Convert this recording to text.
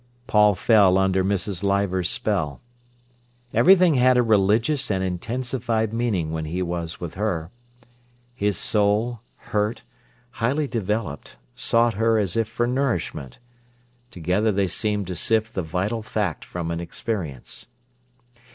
Paul fell under Mrs. Leivers's spell. Everything had a religious and intensified meaning when he was with her. His soul, hurt, highly developed, sought her as if for nourishment. Together they seemed to sift the vital fact from an experience.